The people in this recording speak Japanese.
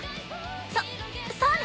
そそうね。